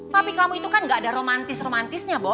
papi kamu itu kan gak ada romantis romantisnya bob